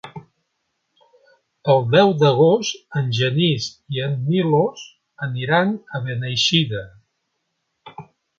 El deu d'agost en Genís i en Milos aniran a Beneixida.